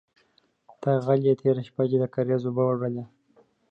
_ته غل يې، تېره شپه دې د کارېزه اوبه اړولې.